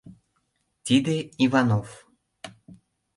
Тиде — Иванов.